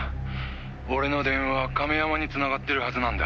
俺の電話亀山に繋がってるはずなんだ」